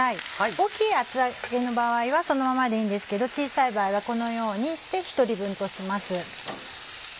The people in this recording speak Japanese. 大きい厚揚げの場合はそのままでいいんですけど小さい場合はこのようにして１人分とします。